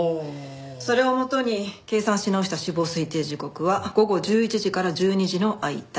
それを元に計算し直した死亡推定時刻は午後１１時から１２時の間。